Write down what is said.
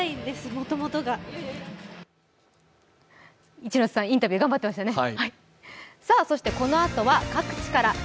一ノ瀬さん、インタビュー、頑張ってましたね。